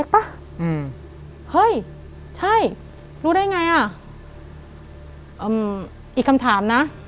ป่ะอืมเฮ้ยใช่รู้ได้ไงอ่ะเอ่ออีกคำถามนะ